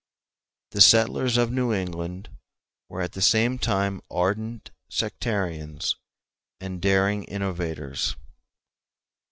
The settlers of New England were at the same time ardent sectarians and daring innovators.